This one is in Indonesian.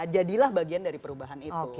jadilah bagian dari perubahan itu